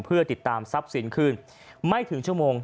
เพื่อติดตามทรัพย์สินคืนไม่ถึงชั่วโมง